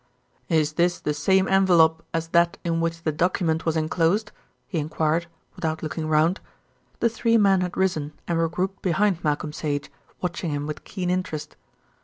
"Is this the same envelope as that in which the document was enclosed?" he enquired, without looking round. The three men had risen and were grouped behind Malcolm Sage, watching him with keen interest.